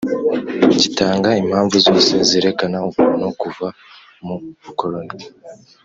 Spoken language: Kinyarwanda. gitanga impamvu zose zerekana ukuntu kuva mu bukoroni